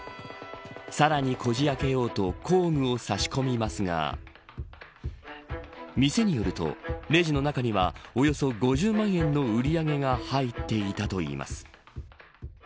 さらに、こじ開けようと工具を差し込みますが店によると、レジの中にはおよそ５０万円の売り上げが入っていたといいます。